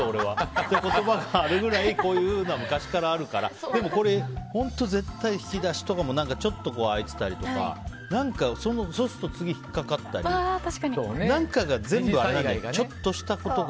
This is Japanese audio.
っていう言葉があるくらいこういうのは昔からあるから本当に絶対引き出しとかもちょっと開いてたりとかそうすると次引っかかったり何かが全部、ちょっとしたことが。